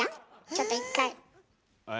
ちょっと一回。